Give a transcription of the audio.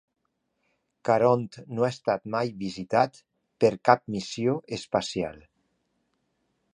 Caront no ha estat mai visitat per cap missió espacial.